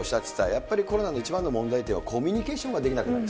やっぱりコロナの一番の問題点は、コミュニケーションができなくなる。